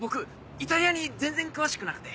イタリアに全然詳しくなくて。